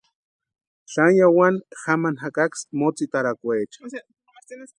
Xani wani jamani jakaksï motsitarakwecha.